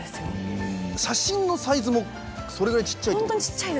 写真のサイズもそれぐらいちっちゃいってこと？